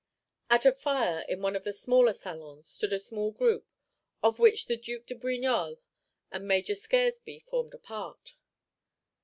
At a fire in one of the smaller salons stood a small group, of which the Duc de Brignolles and Major Scaresby formed a part.